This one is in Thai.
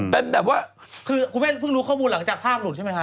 เป็นแบบว่าคือคุณแม่เพิ่งรู้ข้อมูลหลังจากภาพหลุดใช่ไหมคะ